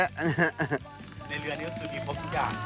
ในเรือนี้จะมีพบทุกอย่าง